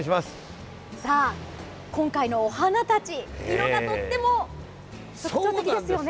さあ、今回のお花たち色がとっても特徴的ですよね？